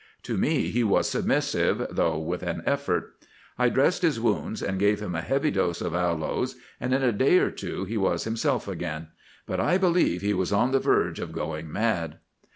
To me he was submissive, though with an effort. I dressed his wounds, and gave him a heavy dose of aloes, and in a day or two he was himself again. But I believe he was on the verge of going mad."